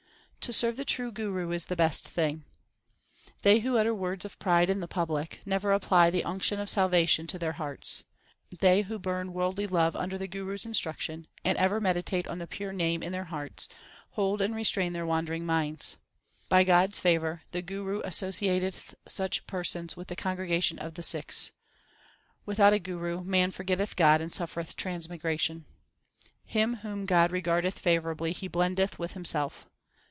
To serve the true Guru is the best thing. They who utter words of pride in public, Never apply the unction of salvation to their hearts They who burn worldly love under the Guru s instruction, And ever meditate on the pure Name in their hearts, Hold and restrain their wandering minds. By God s favour the Guru associateth such persons with the congregation of the Sikhs. Without a guru man forgetteth God and suffereth trans migration. Him whom God regardeth favourably He blendeth with Himself.